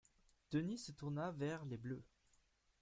Denis se tourna vers les bleus.